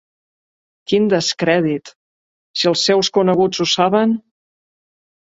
Quin descrèdit, si els seus coneguts ho saben!